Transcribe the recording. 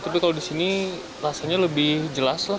tapi kalau di sini rasanya lebih jelas lah